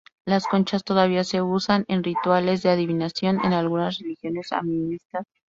Las conchas todavía se usan en rituales de adivinación en algunas religiones animistas africanas.